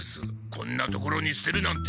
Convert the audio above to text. こんな所にすてるなんて